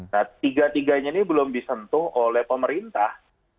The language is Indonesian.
nah tiga tiganya ini belum disentuh oleh pemerintah